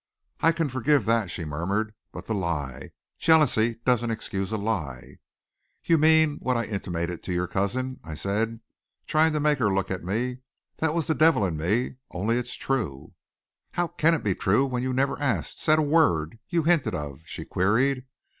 "I can forgive that," she murmured. "But the lie. Jealousy doesn't excuse a lie." "You mean what I intimated to your cousin," I said, trying to make her look at me. "That was the devil in me. Only it's true." "How can it be true when you never asked said a word you hinted of?" she queried.